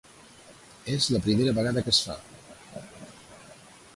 És la primera vegada que es fa.